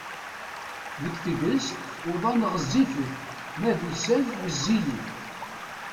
Deg tegrest uḍan ɣezzifit ma d ussan wezzilit.